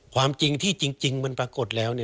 ความจริงที่จริงมันปรากฏแล้ว